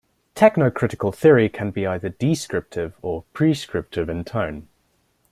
Technocritical theory can be either "descriptive" or "prescriptive" in tone.